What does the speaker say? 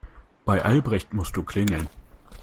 Bei Albrecht musst du klingeln.